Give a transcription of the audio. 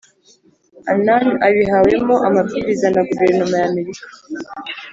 annan abihawemo amabwiriza na guverinoma y'amerika.